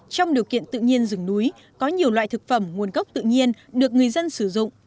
trong điều kiện tự nhiên rừng núi có nhiều loại thực phẩm nguồn gốc tự nhiên được người dân sử dụng